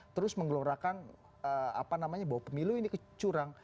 terus menggelorakan bahwa pemilu ini kecurang